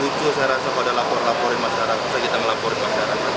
lucu saya rasa kalau ada lapor laporin masyarakat kita melaporin masyarakat